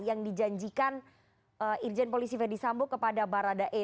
yang dijanjikan irjen polisi verdi sambo kepada baradae